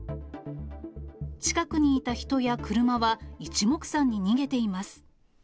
近くにいた人や車は、いちもくさんに逃げています。